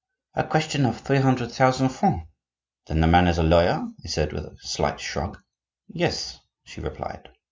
a question of three hundred thousand francs." "Then the man is a lawyer?" I said, with a slight shrug. "Yes," she replied.